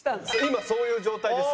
今そういう状態です。